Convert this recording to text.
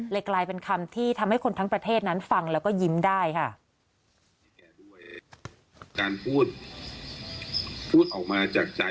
กลายเป็นคำที่ทำให้คนทั้งประเทศนั้นฟังแล้วก็ยิ้มได้ค่ะ